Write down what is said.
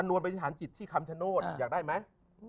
วลปฏิฐานจิตที่คำชโนธอยากได้ไหม